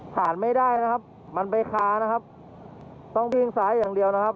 ผ่านไม่ได้นะครับมันไปคานะครับต้องวิ่งซ้ายอย่างเดียวนะครับ